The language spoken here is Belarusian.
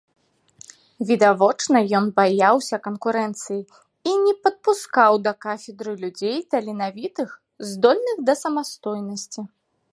Відавочна, ён баяўся канкурэнцыі і не падпускаў да кафедры людзей таленавітых, здольных да самастойнасці.